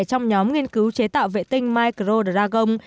trong nhóm nghiên cứu chế tạo vệ tinh microdragon